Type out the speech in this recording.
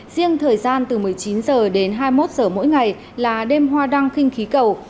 riêng thời gian từ một mươi chín h đến hai mươi một h mỗi ngày là đêm hoa đăng khinh khí cầu